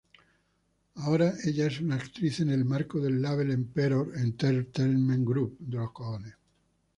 Ahora ella es una actriz en el marco del label Emperor Entertainment Group.